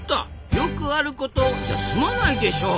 「よくあること」じゃ済まないでしょう！